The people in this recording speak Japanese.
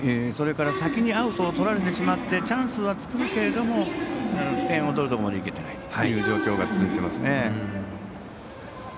それから先にアウトをとられてしまってチャンスは作るけれども点を取るところまでいけていないっていう状況が続いていますね。